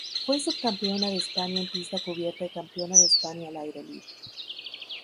Fue subcampeona de España en pista cubierta y campeona de España al aire libre.